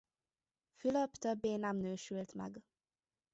Fülöp többé nem nősült meg.